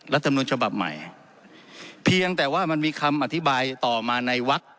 รัฐมนุนฉบับใหม่เพียงแต่ว่ามันมีคำอธิบายต่อมาในวัก